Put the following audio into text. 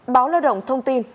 báo lợi động thông tin